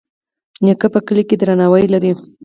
نیکه په کلي کې درناوی لري.